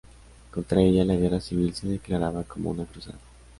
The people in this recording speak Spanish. Contra ella, la Guerra Civil se declaraba como una Cruzada.